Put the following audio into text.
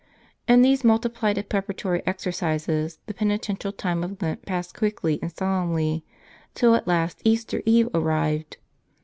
In these multiplied preparatory exercises the penitential time of Lent passed quickly and solemnly, till at last Easter eve arrived.